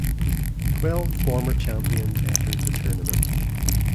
Twelve former champions entered the tournament.